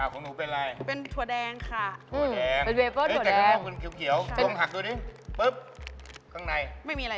ของหนูเป็นอะไร